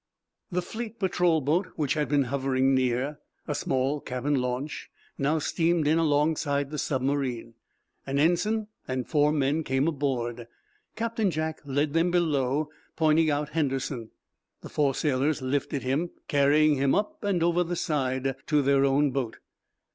The fleet patrol boat, which had been hovering near, a small cabin launch, now steamed in alongside the submarine. An ensign and four men came aboard. Captain Jack led them below, pointing out Henderson. The four sailors lifted him, carrying him up and over the side to their own boat.